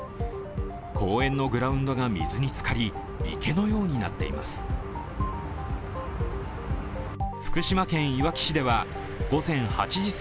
公園のグラウンドが水につかり、池のようになっています。